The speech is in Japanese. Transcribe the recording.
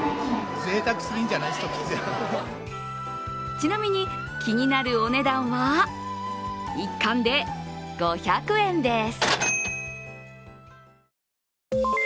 ちなみに気になるお値段は１貫で５００円です。